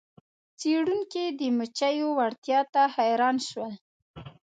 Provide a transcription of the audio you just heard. څیړونکي د مچیو وړتیا ته حیران شول.